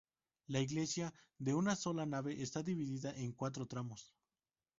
La iglesia, de una sola nave, está dividida en cuatro tramos.